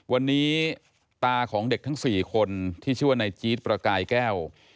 วันนี้ตาของเด็กทั้ง๔คนที่ชื่อว่านายจี๊ดประกายแก้ว